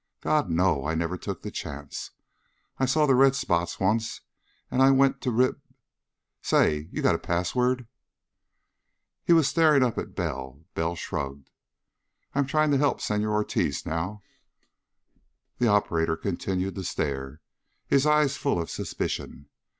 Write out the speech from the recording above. "God, no! I never took the chance! I saw the red spots once, and I went to Rib Say! You got a password?" He was staring up at Bell. Bell shrugged. "I'm trying to help Senor Ortiz now." The operator continued to stare, his eyes full of suspicion.